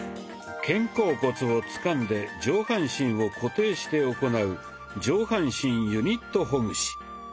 肩甲骨をつかんで上半身を固定して行う「上半身ユニットほぐし」。